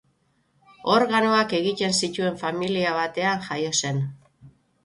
Organoak egiten zituen familia batean jaio zen.